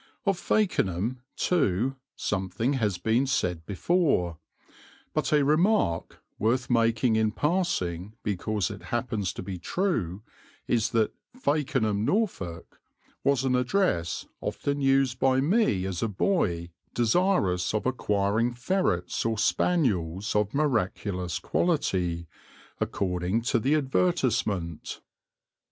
Of Fakenham, too, something has been said before; but a remark, worth making in passing because it happens to be true, is that "Fakenham, Norfolk," was an address often used by me as a boy desirous of acquiring ferrets or spaniels of miraculous quality, according to the advertisement.